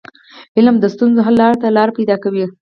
علم د ستونزو حل ته لار پيداکوي.